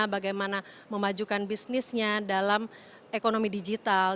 bagaimana memajukan bisnisnya dalam ekonomi digital